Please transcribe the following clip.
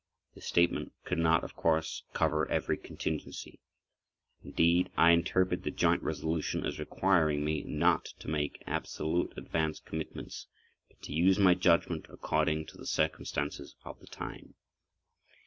This statement could not, of course, cover every contingency. Indeed, I interpret the joint resolution as requiring me not to make absolute advance commitments but to use my judgment according to the circumstances of the time.